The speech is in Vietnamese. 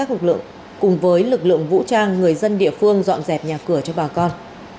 cùng với lực lượng vũ trang người dân địa phương dọn dẹp nhà cửa cho bà con